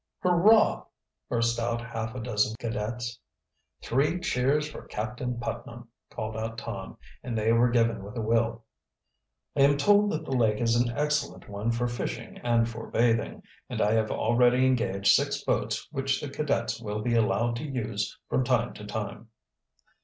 "Hurrah!" burst out half a dozen cadets. "Three cheers for Captain Putnam!" called out Tom, and they were given with a will. "I am told that the lake is an excellent one for fishing and for bathing, and I have already engaged six boats which the cadets will be allowed to use from time to time."